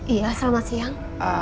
iya selamat siang